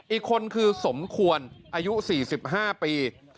อีกคนคือสมควรอายุ๔๕ปี